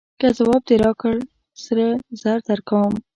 که ځواب دې راکړ سره زر درکوم.